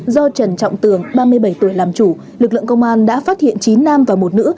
do trần trọng tường ba mươi bảy tuổi làm chủ lực lượng công an đã phát hiện chín nam và một nữ